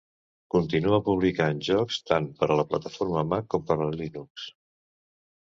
Continua publicant jocs tant per a la plataforma Mac com per a Linux.